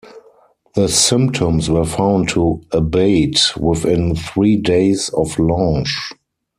The symptoms were found to abate within three days of launch.